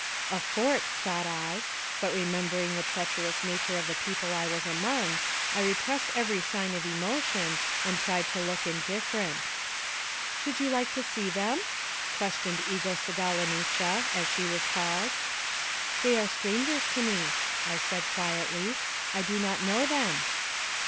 A fort, thought I, but remembering the treacherous nature of the people I was among, I repressed every sign of emotion, and tried to look indifferent. " Should you like to see them ?" questioned Egose galonicha, as she was called. "They are strangers to me," I said, quietly; "I do not know them."